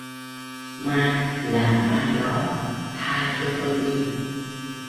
ma là ma đó tha cho tôi đi